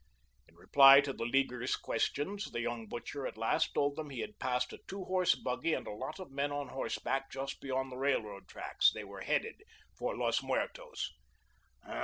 In reply to the Leaguers' questions, the young butcher at last told them he had passed a two horse buggy and a lot of men on horseback just beyond the railroad tracks. They were headed for Los Muertos.